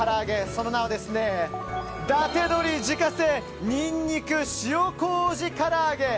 その名は、伊達鶏自家製ニンニク塩麹から揚げ。